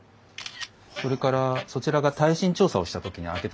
それからそちらが耐震調査をした時に開けたものなんですが。